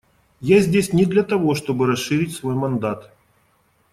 Я здесь не для того, чтобы расширить свой мандат.